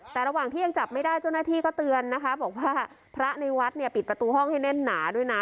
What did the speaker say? แต่ระหว่างที่ยังจับไม่ได้เจ้าหน้าที่ก็เตือนนะคะบอกว่าพระในวัดเนี่ยปิดประตูห้องให้แน่นหนาด้วยนะ